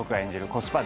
コスパ